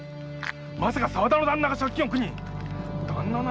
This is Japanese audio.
まさか沢田の旦那が借金を苦に⁉何言いやがる‼